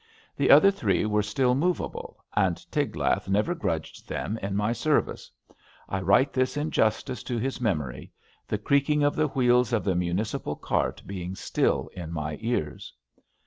The other three were still movable, and Tiglath never grudged them in my service. I write this in justice to his memory; the creaking of the wheels of the mu nicipal cart being still in my ears.